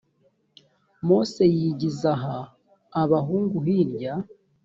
mose yigiza ha abahungu hirya